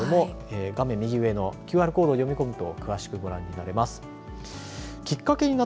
画面右上のＱＲコードを読み込むと詳しくご覧になれます。